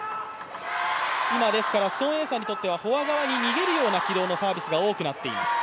今、孫エイ莎にとってはフォア側に逃げるようなサービスの軌道が多くなっています。